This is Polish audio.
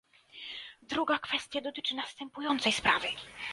Druga kwestia dotyczy następującej sprawy